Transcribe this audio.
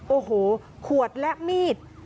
โอ้โหขวดและมีด